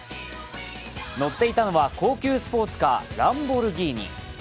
乗っていたのは高級スポーツカー、ランボルギーニ。